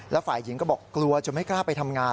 แล้วฝ่ายหญิงก็บอกกลัวจนไม่กล้าไปทำงาน